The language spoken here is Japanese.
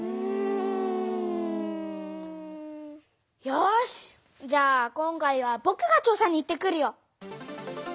よしじゃあ今回はぼくが調さに行ってくるよ！